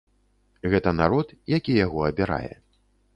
Гэта народ, які яго абірае.